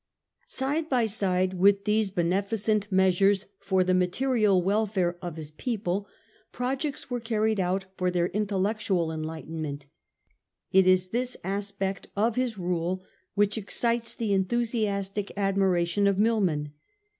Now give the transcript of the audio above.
Side by side with these beneficent measures for the material welfare of his people, projects were carried out for their intellectual enlightenment. It is this aspect of his rule which excites the enthusiastic admiration of Milman.